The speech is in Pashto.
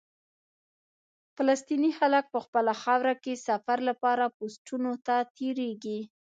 فلسطیني خلک په خپله خاوره کې سفر لپاره پوسټونو ته تېرېږي.